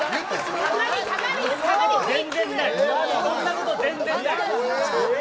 そんなこと全然ない！